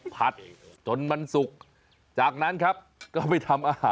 คราวนี้ตลอดกินเดี๋ยวเราจะพาไปทานอาหารเกาหลีกันบ้าง